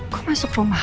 kok masuk rumah